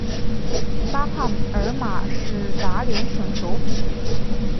拉帕尔马是达连省首府。